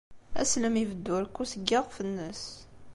Aslem ibeddu rekku seg yiɣef-nnes.